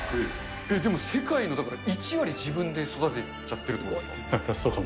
え、でも世界のだから１割自分で育てちゃってるってことですか？